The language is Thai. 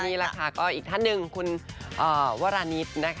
อีกท่านหนึ่งคุณวารณิชนะคะ